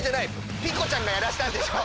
ピコちゃんがやらせたんでしょ！